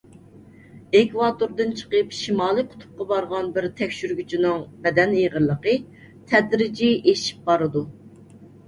ئېكۋاتوردىن چىقىپ شىمالىي قۇتۇپقا بارغان بىر تەكشۈرگۈچىنىڭ بەدەن ئېغىرلىقى تەدرىجىي ئېشىپ بارىدۇ.